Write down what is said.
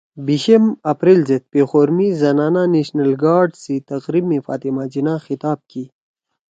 بیشم اپریل زید پیخور می زنانہ نشنل گارڈز سی تقریب می فاطمہ جناح خطاب کی